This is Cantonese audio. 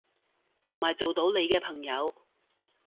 同埋做到你嘅朋友